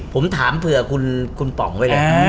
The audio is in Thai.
ผมถามเผื่อคุณป๋องไว้แล้ว